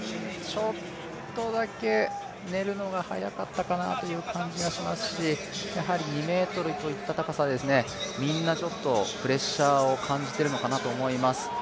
ちょっとだけ寝るのが早かったかなという感じがしましたしやはり２ｍといった高さはみんなちょっとプレッシャーを感じてるのかなと思います。